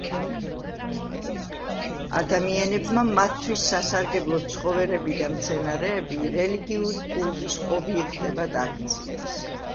ადამიანებმა მათთვის სასარგებლო ცხოველები და მცენარეები რელიგიური კულტის ობიექტებად აქციეს.